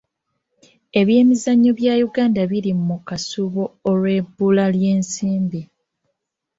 Ebyemizannyo bya Uganda biri mu kasuubo olw'ebbula ly'ensimbi.